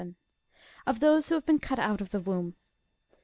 — OF THOSE WHO HAVE BEEN CUT OUT OF THE WOMB.